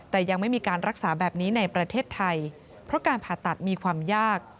แต่ยังไม่มีการรักษาแบบนี้ในประเทศไทยเพราะการผ่าตัดมีความยาก